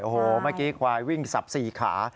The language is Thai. โอ้โหเมื่อกี้ควายวิ่งสับสี่ขา